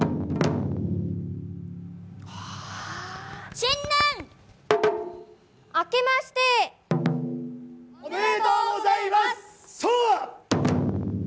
新年明けましておめでとうございます。